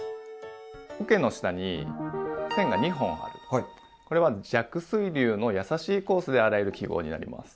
おけの下に線が２本あるこれは弱水流のやさしいコースで洗える記号になります。